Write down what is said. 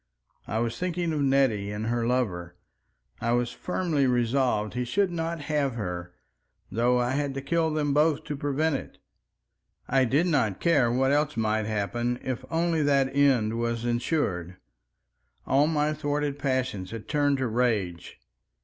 I was thinking of Nettie and her lover. I was firmly resolved he should not have her—though I had to kill them both to prevent it. I did not care what else might happen, if only that end was ensured. All my thwarted passions had turned to rage.